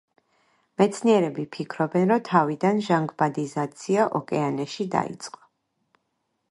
მეცნიერები ფიქრობენ, რომ თავიდან ჟანგბადიზაცია ოკეანეში დაიწყო.